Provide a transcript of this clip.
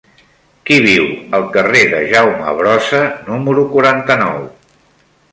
Qui viu al carrer de Jaume Brossa número quaranta-nou?